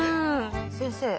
先生。